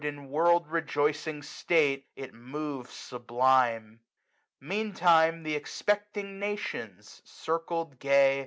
5 In world rejoicing state, it moves sublime. Mean time th' expecting nations, circled gay.